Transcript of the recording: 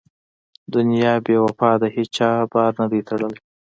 دنیا بې وفا ده هېچا بار نه دی تړلی.